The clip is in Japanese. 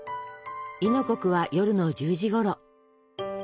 亥の刻は夜の１０時ごろ。